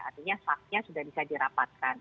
artinya haknya sudah bisa dirapatkan